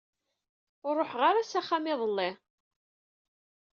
Ur ṛuḥeɣ ara s axxam iḍelli.